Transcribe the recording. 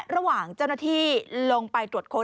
ระหว่างเจ้าหน้าที่ลงไปตรวจค้น